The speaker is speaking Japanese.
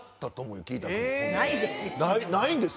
ないですよ。